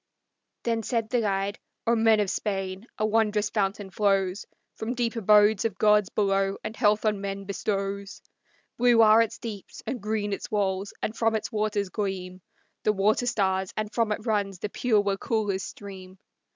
Then said the guide, "O men of Spain, a wondrous fountain flows From deep abodes of gods below, and health on men bestows. Blue are its deeps and green its walls, and from its waters gleam The water stars, and from it runs the pure Waukulla's stream.